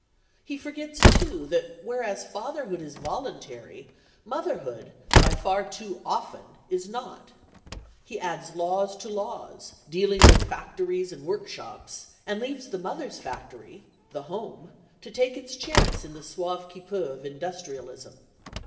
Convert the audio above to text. He forgets, too, that whereas fatherhood is voluntary, motherhood by far too often is not. He adds laws to laws, dealing with factories and workshops, and leaves the mother's factory—the home—to take its chance in the sauve qui peut of industrialism.